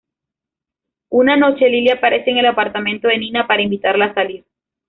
Una noche, Lily aparece en el apartamento de Nina para invitarla a salir.